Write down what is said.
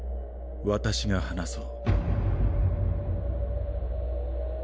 私が話そう。